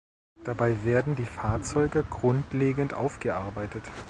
Dabei werden die Fahrzeuge grundlegend aufgearbeitet.